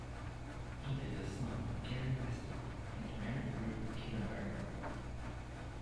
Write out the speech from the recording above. He is the son of Garry Weston and Mary Ruth Kippenberger.